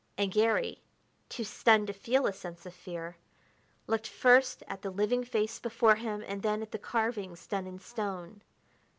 And Garry, too stunned to feel a sense of fear, looked first at the living face before him and then at the carvings done in stone.